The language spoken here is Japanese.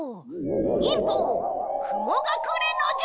忍法くもがくれの術！